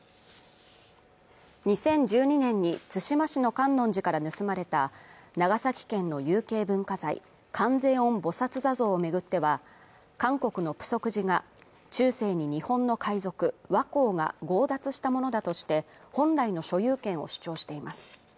２０１２年に対馬市の観音寺から盗まれた長崎県の有形文化財観世音菩薩座像を巡っては韓国の浮石寺が中世に日本の海賊倭寇が強奪したものだとして本来の所有権を主張しています